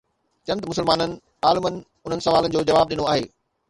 چند مسلمان عالمن انهن سوالن جو جواب ڏنو آهي.